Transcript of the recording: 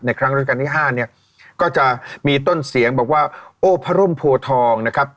ครั้งราชการที่๕เนี่ยก็จะมีต้นเสียงบอกว่าโอ้พระร่มโพทองนะครับ